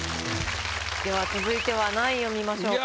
では続いては何位を見ましょうか？